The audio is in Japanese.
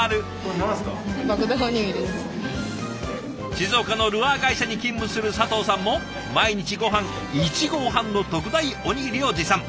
静岡のルアー会社に勤務する佐藤さんも毎日ごはん１合半の特大おにぎりを持参。